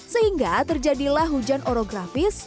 sehingga terjadilah hujan orografis